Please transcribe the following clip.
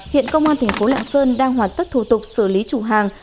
hiện công an thành phố lạng sơn đang hoàn tất thủ tục xử lý chủ hàng